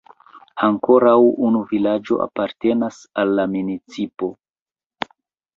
Ankoraŭ unu vilaĝo apartenas al la municipo.